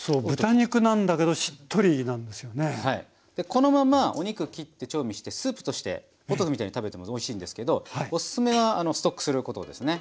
このままお肉切って調味してスープとしてポトフみたいに食べてもとてもおいしいんですけどおすすめはストックすることですね。